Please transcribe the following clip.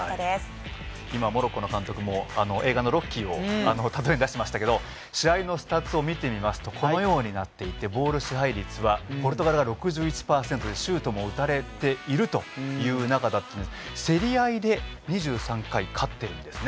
今モロッコの監督も映画のロッキーを例えに出しましたけど試合のスタッツを見てみますとこのようになっていてボール支配率はポルトガルが６１％でシュートも打たれているという中だったんですが競り合いで２３回勝っているんですね。